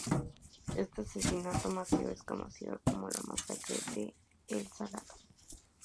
Este asesinato masivo es conocido como la Masacre de El Salado.